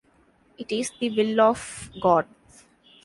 It is the will of God!